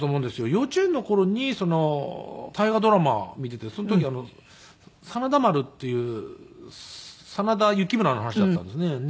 幼稚園の頃に大河ドラマ見ていてその時『真田丸』っていう真田幸村の話だったんですね。